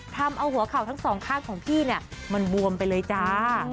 ทำเอาหัวเข่าทั้งสองข้างของพี่เนี่ยมันบวมไปเลยจ้า